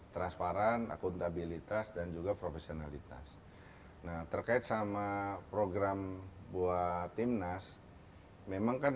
transparan akuntabilitas dan juga profesionalitas nah terkait sama program buat timnas memang kan